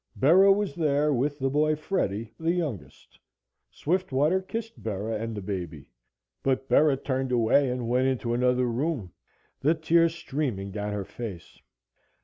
Bera was there with the boy Freddie the youngest. Swiftwater kissed Bera and the baby, but Bera turned away and went into another room, the tears streaming down her face.